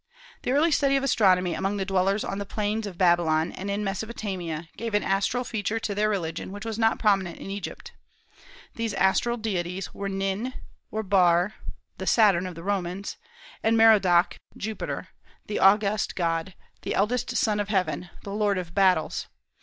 The early study of astronomy among the dwellers on the plains of Babylon and in Mesopotamia gave an astral feature to their religion which was not prominent in Egypt. These astral deities were Nin, or Bar (the Saturn of the Romans); and Merodach (Jupiter), the august god, "the eldest son of Heaven," the Lord of battles.